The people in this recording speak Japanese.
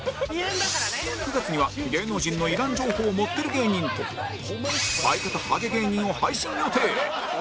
９月には芸能人のいらん情報もってる芸人と相方ハゲ芸人を配信予定